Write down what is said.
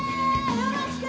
よろしく！